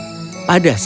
dario melesatkan kainnya